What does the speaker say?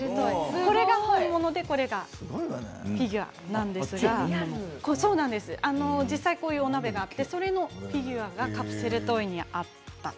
これが本物で前にあるのがフィギュアなんですが実際、こういうお鍋があってそのフィギュアがカプセルトイになったと。